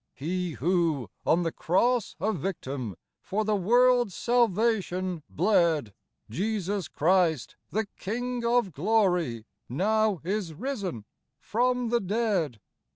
He who, on the cross a victim, For the world's salvation bled, Jesus Christ the King of glory, Now is risen from the dead.